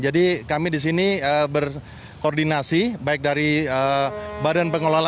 jadi kami di sini berkoordinasi baik dari badan pengelola